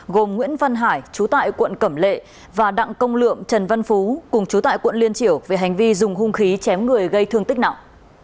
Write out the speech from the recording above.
gồm nguyễn văn hải chú tại quận cẩm lệ và đặng công lượm trần văn phú cùng chú tại quận liên triểu về hành vi dùng hung khí chém người gây thương tích nặng